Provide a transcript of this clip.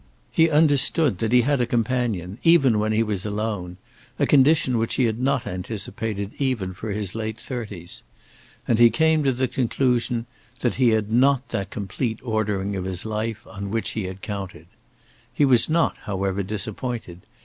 He understood that he had a companion, even when he was alone, a condition which he had not anticipated even for his late thirties. And he came to the conclusion that he had not that complete ordering of his life on which he had counted. He was not, however, disappointed.